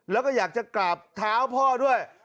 แล้วก็อยากจะกราบเท้าพ่อด้วย